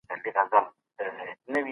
يو انسان په پښتو ژبي کي خپل احساسات بيانوي.